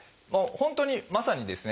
本当にまさにですね